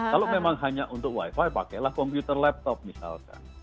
kalau memang hanya untuk wifi pakailah komputer laptop misalkan